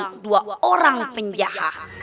kau berdua orang penjahat